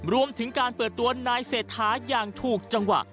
รวมถึงการเปิดตัวนายเศรษฐาอย่างถูกจังหวะ